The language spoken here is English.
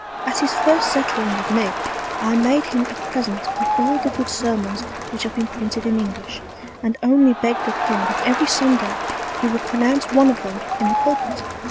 At his first settling with me, I made him a Present of all the good Sermons which have been printed in English, and only begg'd of him that every Sunday he would pronounce one of them in the Pulpit.